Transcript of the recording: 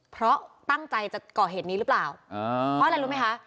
เพราะตั้งใจจะก่อเหตุนี้หรือเปล่าเพราะอะไรรู้ไหมคะ